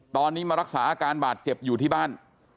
ตอนนี้มารักษาอาการบาดเจ็บอยู่ที่บ้าน